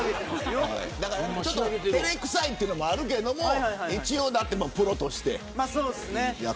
照れ臭いというのもあるけど一応プロとして。